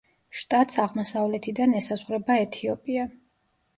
შტატს აღმოსავლეთიდან ესაზღვრება ეთიოპია.